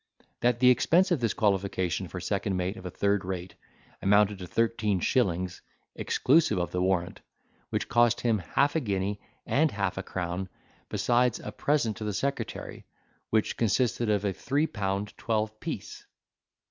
That the expense of his qualification for second mate of a third rate, amounted to thirteen shillings, exclusive of the warrant, which cost him half a guinea and half a crown, besides a present to the secretary, which consisted of a three pound twelve piece.